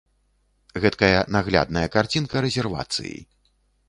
Гэткая наглядная карцінка рэзервацыі.